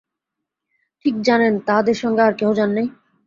ঠিক জানেন, তাঁহাদের সঙ্গে আর কেহ যান নাই?